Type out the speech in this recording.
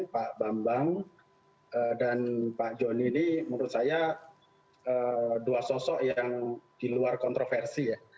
pak bambang dan pak joni ini menurut saya dua sosok yang di luar kontroversi ya